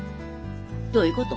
どういうこと？